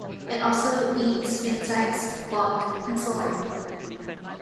It also eats insects, bark, and soil.